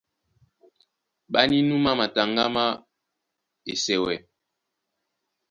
Ɓá nínúmá mataŋgá má Esɛwɛ.